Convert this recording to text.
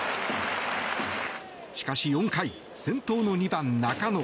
しかし４回先頭の２番、中野。